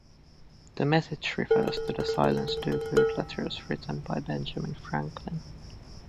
The message refers to the Silence Dogood letters written by Benjamin Franklin.